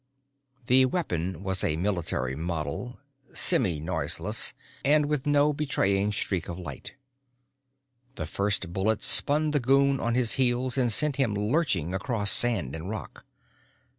The weapon was a military model, semi noiseless and with no betraying streak of light. The first bullet spun the goon on his heels and sent him lurching across sand and rock.